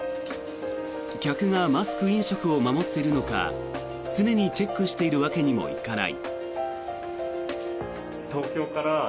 客がマスク飲食を守っているのか常にチェックしているわけにもいかない。